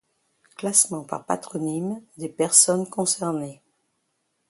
Classement par patronymes des personnes concernées.